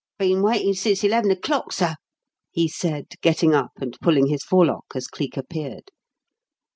"Been waitin' since eleven o'clock, sir," he said, getting up and pulling his forelock as Cleek appeared.